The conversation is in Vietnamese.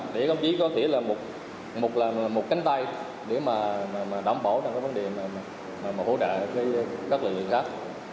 để công chí có thể là một cánh tay để mà đảm bảo trong cái vấn đề mà hỗ trợ các lực lượng khác